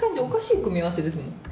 おかしい組み合わせですもん。